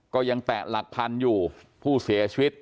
ก็ยังแต่หลักพันธุ์อยู่ผู้เสียชีวิต